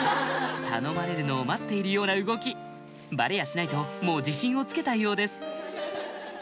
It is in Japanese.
頼まれるのを待っているような動きバレやしないともう自信をつけたようです